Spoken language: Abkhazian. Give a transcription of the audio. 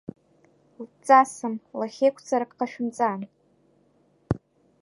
Ҵасым, лахьеиқәҵарак ҟашәымҵан.